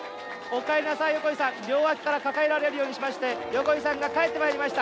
横井さん両脇から抱えられるようにしまして横井さんが帰ってまいりました